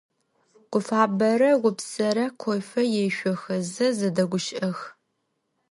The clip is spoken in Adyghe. Гуфабэрэ Гупсэрэ кофе ешъохэзэ зэдэгущыӀэх.